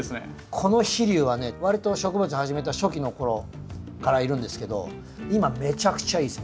この飛竜はねわりと植物始めた初期の頃からいるんですけど今めちゃくちゃいいです。